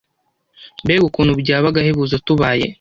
Mbega ukuntu byaba agahebuzo tubaye